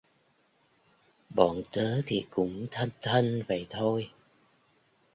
bọn tớ thì cũng thân thân vậy thôi